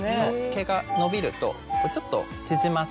毛が伸びるとちょっと縮まって。